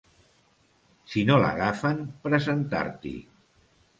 Si no l’agafen, presentar-t’hi.